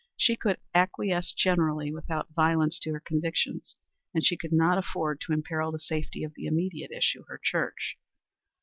She could acquiesce generally without violence to her convictions, and she could not afford to imperil the safety of the immediate issue her church.